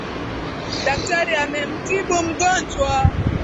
Daktari amemtibu mgonjwa.